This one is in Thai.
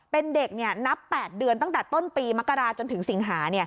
เป็นเด็กนับ๘เดือนตั้งแต่ต้นปีมกราจนถึงสิงหา